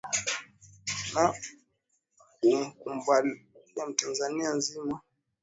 ni kunamkumbali tanzania zima ulipiga kura wewe